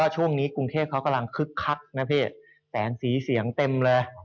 ช่วงนี้กรุงเทพเขากำลังคึกคักนะพี่แสนสีเสียงเต็มเลย